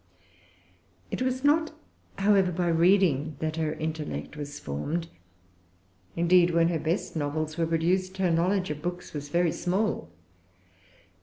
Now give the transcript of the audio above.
It was not, however, by reading that her intellect was formed. Indeed, when her best novels were produced, her knowledge of books was very small.